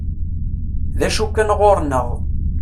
D acu kan ɣur-nneɣ.